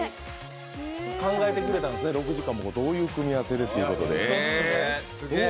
考えてくれたんですね、６時間もどういう組み合わせでということで。